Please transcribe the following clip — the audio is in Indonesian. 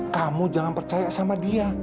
kamu jangan percaya sama dia